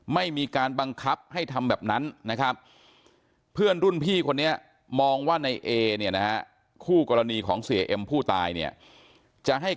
ไม่มีการบังคับให้ทำแบบนั้นนะครับเพื่อนรุ่นพี่คนนี้มองว่าในเอเนี่ยนะฮะคู่กรณีของเสียเอ็มผู้ตายเนี่ยจะให้